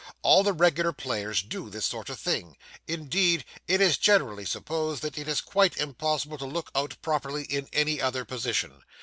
All the regular players do this sort of thing; indeed it is generally supposed that it is quite impossible to look out properly in any other position.